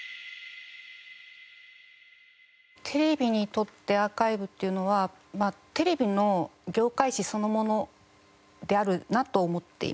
テレビにとってアーカイブっていうのはテレビの業界史そのものであるなと思っています。